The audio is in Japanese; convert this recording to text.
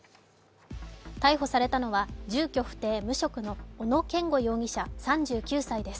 逮捕されたのは住居不定・無職の小野健吾容疑者、３９歳。